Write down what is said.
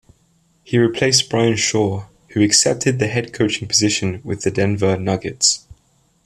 He replaced Brian Shaw, who accepted the head coaching position with the Denver Nuggets.